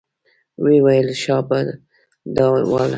ويې ويل شابه دا واله.